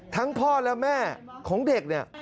พ่อและแม่ของเด็กเนี่ย